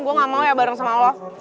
gue gak mau ya bareng sama lo